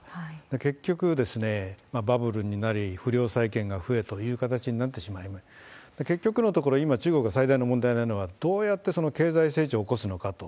結局、バブルになり、不良債権が増えという形になってしまい、結局のところ、今、中国の最大の問題なのは、どうやってその経済成長を起こすのかと。